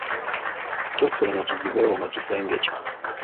Tosula na kizibwe wo mu kisengekyo.